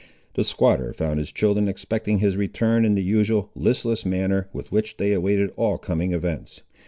The squatter found his children expecting his return in the usual listless manner with which they awaited all coming events.